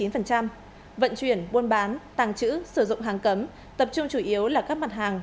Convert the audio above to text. vận chuyển buôn bán tàng trữ sử dụng hàng cấm tập trung chủ yếu là các mặt hàng